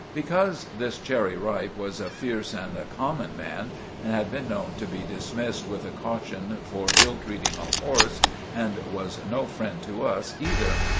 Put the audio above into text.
Because this Cherry Ripe was a fierce and a common man, and had been known to be dismissed with a caution for ill treating a horse, and was no friend to us either.